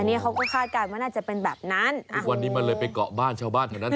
อันนี้เขาก็คาดกันว่าน่าจะเป็นแบบนั้น